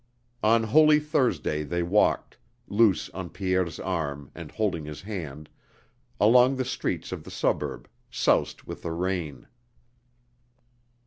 On Holy Thursday they walked, Luce on Pierre's arm and holding his hand, along the streets of the suburb, soused with the rain.